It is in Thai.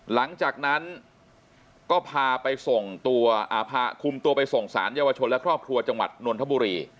หลังจากนั้นก็พาไปส่งตัวพาคุมตัวไปส่งสารเยาวชนและครอบครัวจังหวัดนนทบุรี